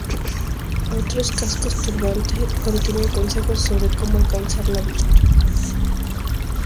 Otros cascos turbante contienen consejos sobre cómo alcanzar la virtud.